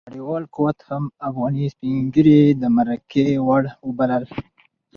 نړیوال قوت هم افغاني سپين ږيري د مرګي وړ وبلل.